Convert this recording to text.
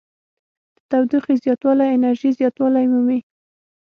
د تودوخې زیاتوالی انرژي زیاتوالی مومي.